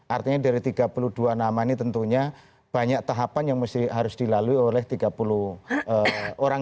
artinya dari tiga puluh dua nama ini tentunya banyak tahapan yang harus dilalui oleh tiga puluh orang